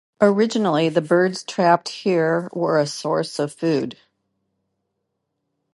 Originally, the birds trapped here were a source of food.